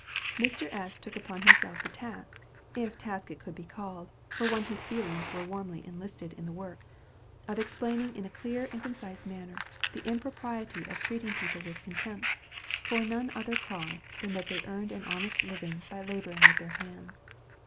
Mr. S. took upon himself the task (if task it could be called, for one whose feelings were warmly enlisted in the work) of explaining in a clear and concise manner the impropriety of treating people with contempt for none other cause than that they earned an honest living by laboring with their hands.